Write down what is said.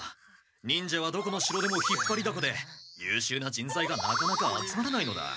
忍者はどこの城でもひっぱりだこでゆうしゅうなじんざいがなかなか集まらないのだ。